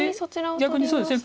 逆にそうですね